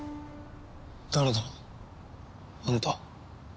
誰だ？あんた。